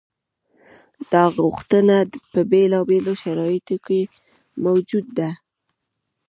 دا غوښتنه په بېلابېلو شرایطو کې موجوده ده.